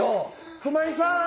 ・熊井さん！